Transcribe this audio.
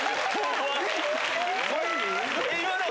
怖い。